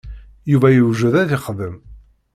Yuba iwjed ad ixdem.